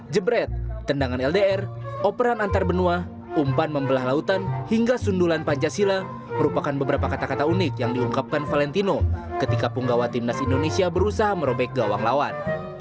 jebret tendangan ldr operan antarbenua umpan membelah lautan hingga sundulan pancasila merupakan beberapa kata kata unik yang diungkapkan valentino ketika penggawa timnas indonesia berusaha merobek gawang lawan